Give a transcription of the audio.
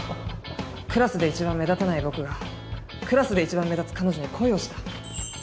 「クラスで一番目立たない僕がクラスで一番目立つ彼女に恋をした」。